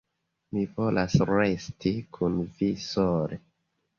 Mi volas resti kun vi sole.